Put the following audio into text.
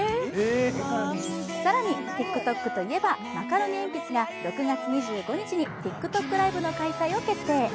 更にＴｉｋＴｏｋといえば、マカロニえんぴつが６月２５日にＴｉｋＴｏｋライブの開催を決定。